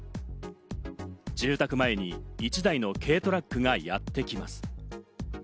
住宅前に１台の軽トラックがやってきます。